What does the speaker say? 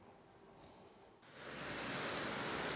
harga yang dipercayai adalah harga kesehatan negara